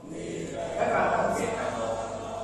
และการตั้งเจตจำนง